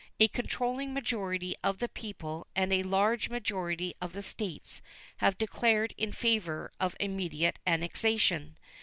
A controlling majority of the people and a large majority of the States have declared in favor of immediate annexation.